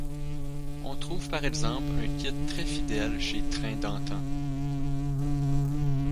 On trouve par exemple un kit très fidèle chez Train d'Antan.